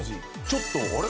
ちょっとあれ？